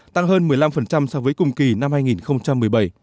tăng hơn một mươi năm so với cùng kỳ năm hai nghìn một mươi bảy